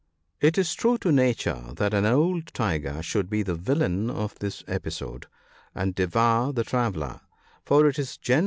— It is true to nature that an " old tiger" should be the villain of this episode, and devour the traveller ; for it is gene NOTES.